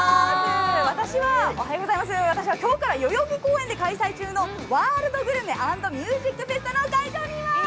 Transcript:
私は今日から代々木公園で開催中のワールドグルメ＆ミュージックフェスタの会場にいます。